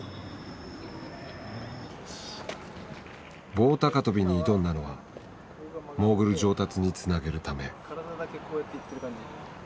棒高跳びに挑んだのはモーグル上達につなげるため。